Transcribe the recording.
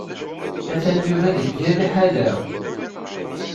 Atan Yuba deg yir liḥala.